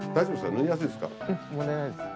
縫いやすいっすか？